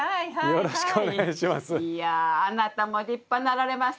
よろしくお願いします。